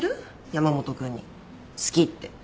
山本君に好きって。